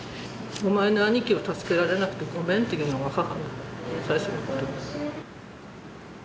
お前の兄貴を助けられなくてごめんというのが母の最初の言葉です。